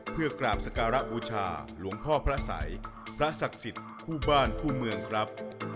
เพื่อกราบสการะบูชาหลวงพ่อพระสัยพระศักดิ์สิทธิ์คู่บ้านคู่เมืองครับ